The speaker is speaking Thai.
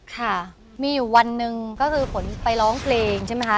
ค่ะมีอยู่วันหนึ่งก็คือฝนไปร้องเพลงใช่ไหมคะ